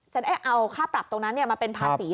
ได้เอาค่าปรับตรงนั้นมาเป็นภาษี